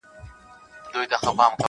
• خدای یې په برخه کښلی عذاب دی -